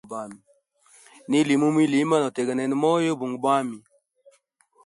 Nili mumwilima, notegnena moyo bunga bwami.